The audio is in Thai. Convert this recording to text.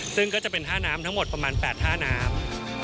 ซึ่งก็จะเป็นท่าน้ำทั้งหมดประมาณ๘ท่าน้ำ